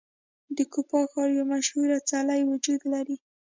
د کوپان ښار یو مشهور څلی وجود لري.